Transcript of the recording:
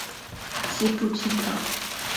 西部群岛。